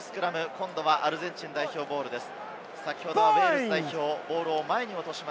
今度はアルゼンチン代表ボールです。